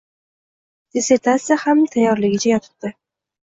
Dissertatsiya ham tayyorligicha yotibdi...